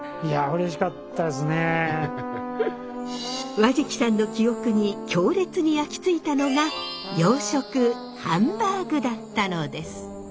和食さんの記憶に強烈に焼き付いたのが洋食ハンバーグだったのです。